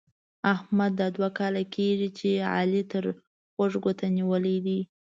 احمد دا دوه کاله کېږي چې علي تر خوږ ګوتې نيولې دی.